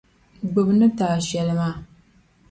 Gbibi n ni ti a shεli maa.